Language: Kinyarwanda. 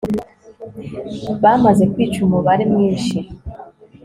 bamaze kwica umubare mwinshi